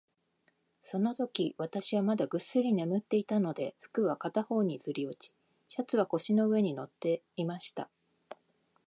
そのとき、私はまだぐっすり眠っていたので、服は片方にずり落ち、シャツは腰の上に載っていました。